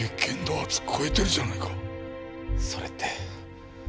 それって。